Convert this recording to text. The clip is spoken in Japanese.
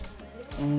うん。